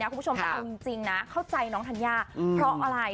คุณผู้ชมแต่เอาจริงนะเข้าใจน้องธัญญาเพราะอะไร